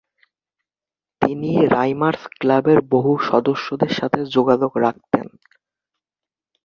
তিনি রাইমার্স ক্লাবের বহু সদস্যদের সাথে যোগাযোগ রাখতেন।